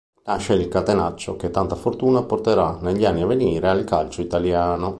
Nasce il "catenaccio" che tanta fortuna porterà negli anni a venire al calcio italiano.